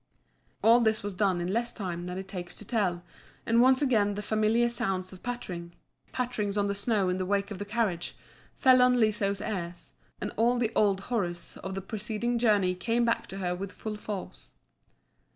All this was done in less time than it takes to tell, and once again the familiar sounds of pattering patterings on the snow in the wake of the carriage fell on Liso's ears, and all the old horrors of the preceding journey came back to her with full force.